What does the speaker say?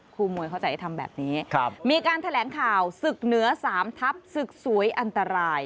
มวยเข้าใจให้ทำแบบนี้มีการแถลงข่าวศึกเหนือ๓ทับศึกสวยอันตราย